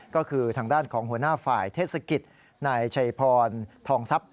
ก็คือทางด้านของหัวหน้าฝ่ายเทศกิจนายชัยพรทองทรัพย